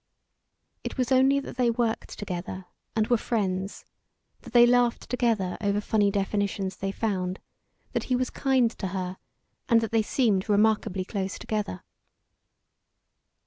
It was only that they worked together and were friends; that they laughed together over funny definitions they found, that he was kind to her, and that they seemed remarkably close together.